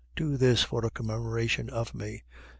Do this for a commemoration of me.